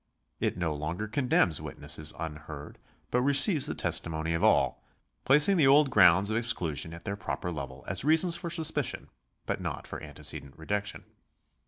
It no longer condemns witnesses unheard, but receives the testimony of all, placing the old grounds of exclusion at their proper level as reasons for suspicion but not for antecedent rejection.